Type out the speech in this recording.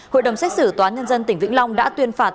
hội đồng xét xử tòa nhân dân tỉnh vĩnh long đã tuyên phạt